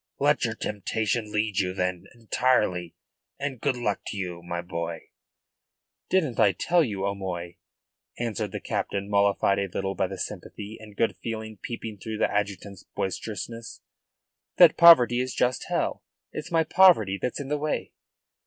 Let your temptation lead you then, entirely, and good luck to you, my boy." "Didn't I tell you, O'Moy," answered the captain, mollified a little by the sympathy and good feeling peeping through the adjutant's boisterousness, "that poverty is just hell. It's my poverty that's in the way."